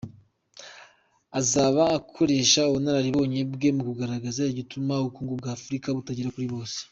Azaba akoresha ubunararibonye bwe mu kugaragaza igituma ubukungu bwa Afurika butagera kuri bose.